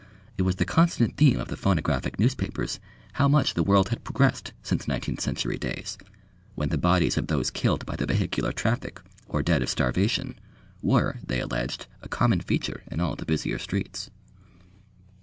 It was the constant theme of the phonographic newspapers how much the world had progressed since nineteenth century days, when the bodies of those killed by the vehicular traffic or dead of starvation, were, they alleged, a common feature in all the busier streets.